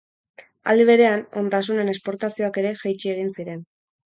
Aldi berean, ondasunen esportazioak ere jaitsi egin ziren.